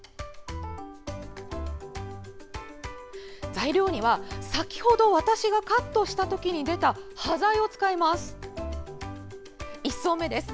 材料には先ほど私がカットしたときに出た端材を使います。